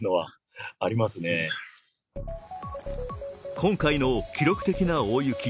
今回の記録的な大雪。